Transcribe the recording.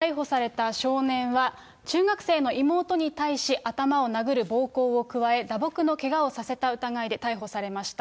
逮捕された少年は、中学生の妹に対し、頭を殴る暴行を加え、打撲のけがをさせた疑いで逮捕されました。